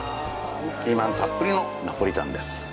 ピーマンたっぷりのナポリタンです。